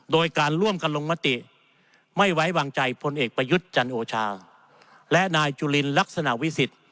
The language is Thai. โดยการร่วมกันลงมติไม่ไว้วางใจพลเอกประยุทธ์จันโอชาและนายจุลินลักษณะวิสิทธิ